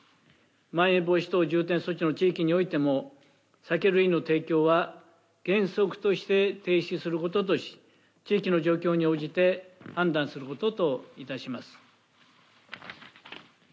まん延防止等重点措置の地域においても、酒類の提供は原則として停止することとし、地域の状況に応じて判断することといたします。